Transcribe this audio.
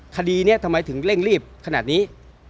คดีนี้ทำไมถึงเร่งรีบขนาดนี้